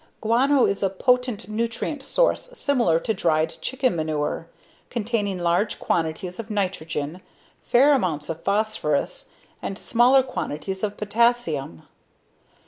Guano is a potent nutrient source similar to dried chicken manure, containing large quantities of nitrogen, fair amounts of phosphorus, and smaller quantities of potassium.